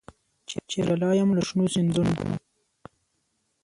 چي راجلا یم له شنو سیندونو